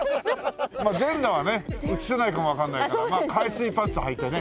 まあ全裸はね映せないかもわかんないからまあ海水パンツはいてね